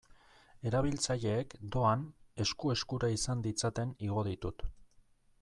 Erabiltzaileek, doan, esku-eskura izan ditzaten igo ditut.